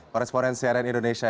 koresponen crn indonesia